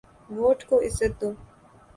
Vote کو عزت دو۔